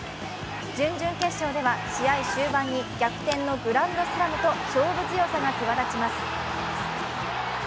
準々決勝では試合終盤に逆転のグランドスラムと勝負強さが際立ちます。